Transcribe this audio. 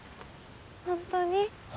本当に。